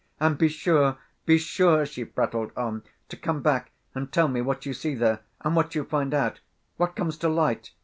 "And be sure, be sure," she prattled on, "to come back and tell me what you see there, and what you find out ... what comes to light